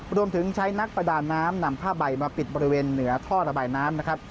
รวมถึงใช้นักประดาน้ำนำผ้าใบมาปิดบริเวณเหนือท่อระบายน้ำนะครับ